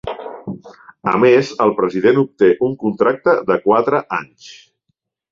A més, el President obté un contracte de quatre anys.